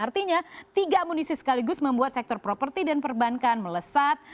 artinya tiga amunisi sekaligus membuat sektor properti dan perbankan melesat